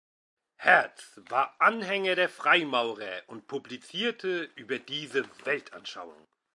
Herz war Anhänger der Freimaurer und publizierte über diese Weltanschauung.